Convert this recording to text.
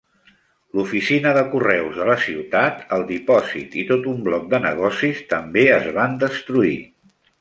L'oficina de correus de la ciutat, el dipòsit i tot un bloc de negocis també es van destruir.